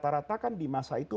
dan rata rata kan di masa itu